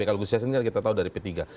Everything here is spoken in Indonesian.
kalau gus yassin kita tahu dari p tiga